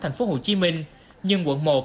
thành phố hồ chí minh nhưng quận một